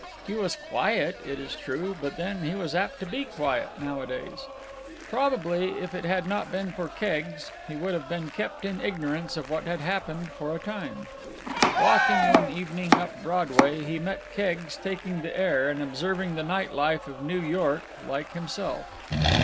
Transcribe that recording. He was quiet, it is true, but then he was apt to be quiet nowadays. Probably, if it had not been for Keggs, he would have been kept in ignorance of what had happened for a time. Walking one evening up Broadway, he met Keggs taking the air and observing the night life of New York like himself.